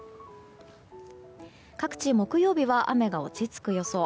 各地、木曜日は雨が落ち着く予想。